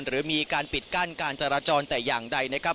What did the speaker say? หรือมีการปิดกั้นการจราจรแต่อย่างใดนะครับ